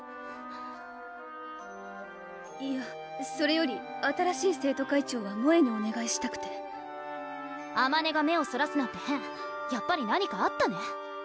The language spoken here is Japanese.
いやそれより新しい生徒会長はもえにおねがいしたくてあまねが目をそらすなんて変やっぱり何かあったね？